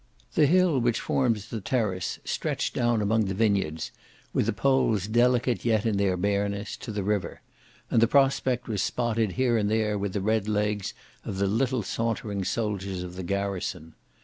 The hill which forms the terrace stretched down among the vineyards, with the poles delicate yet in their bareness, to the river, and the prospect was spotted here and there with the red legs of the little sauntering soldiers of the garrison.